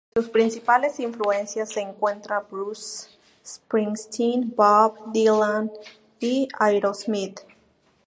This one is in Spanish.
Entre sus principales influencias se encuentran Bruce Springsteen, Bob Dylan y Aerosmith.